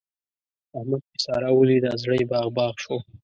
احمد چې سارا وليده؛ زړه يې باغ باغ شو.